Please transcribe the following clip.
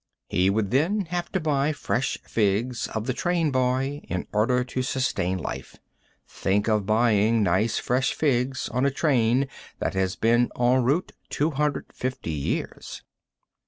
He would then have to buy fresh figs of the train boy in order to sustain life. Think of buying nice fresh figs on a train that had been en route 250 years!